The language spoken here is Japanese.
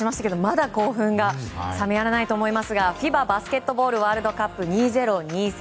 まだ興奮が冷めやらないと思いますがＦＩＢＡバスケットボールワールドカップ２０２３。